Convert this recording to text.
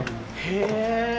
へえ。